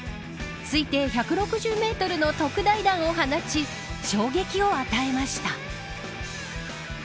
推定１６０メートルの特大弾を放ち衝撃を与えました。